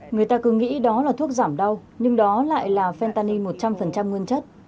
người ta cứ nghĩ đó là thuốc giảm đau nhưng đó lại là fentani một trăm linh nguyên chất